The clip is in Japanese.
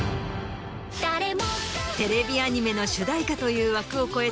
テレビアニメの主題歌という枠を超えた